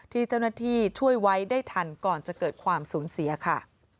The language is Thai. ที่เจ้าหน้าที่ช่วยไว้ได้ทันก่อนจะเกิดความสูญเสียค่ะ